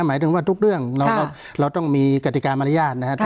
หมายถึงว่าทุกเรื่องเราต้องมีกติกามารยาทนะครับ